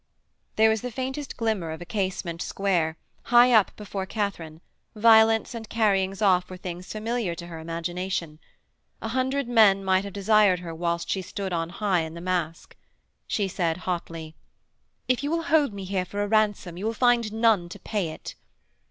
There was the faintest glimmer of a casement square, high up before Katharine; violence and carryings off were things familiar to her imagination. A hundred men might have desired her whilst she stood on high in the masque. She said hotly: 'If you will hold me here for a ransom, you will find none to pay it.'